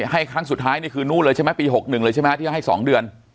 ครั้งสุดท้ายนี่คือนู่นเลยใช่ไหมปี๖๑เลยใช่ไหมที่ให้๒เดือน